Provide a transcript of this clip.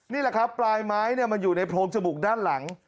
นี่แหละครับปลายไม้มันอยู่ในโพรงจมูกด้านหลัง